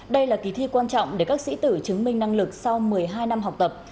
đây là kỳ thi quan trọng để các sĩ tử chứng minh năng lực sau một mươi hai năm học tập